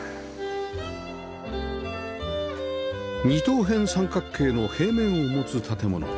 二等辺三角形の平面を持つ建物